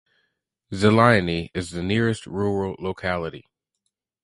Zelyony is the nearest rural locality.